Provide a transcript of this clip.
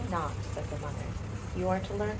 !" said the mother; " you are to learn